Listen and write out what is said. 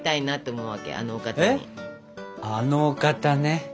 あのお方ね？